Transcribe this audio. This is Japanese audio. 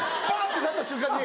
てなった瞬間に。